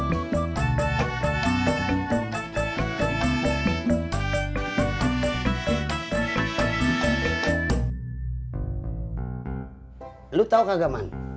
lo tau kagak man